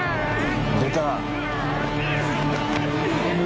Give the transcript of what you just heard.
出た！